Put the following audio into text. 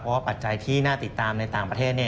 เพราะว่าปัจจัยที่หน้าติดตามในประเทศเนี่ย